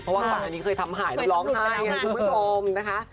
เพราะว่าก่อนอันนี้เคยทำหายแล้วร้องไห้ไงคุณผู้ชมนะคะ